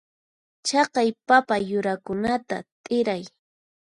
Chaqay papa yurakunata t'iray.